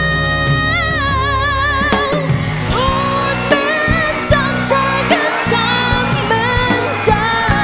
พูดเหมือนทำเธอก็ทำเหมือนเธอ